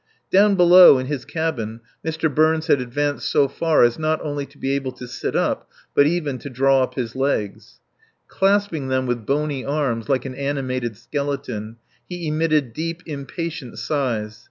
Down below, in his cabin, Mr. Burns had advanced so far as not only to be able to sit up, but even to draw up his legs. Clasping them with bony arms, like an animated skeleton, he emitted deep, impatient sighs.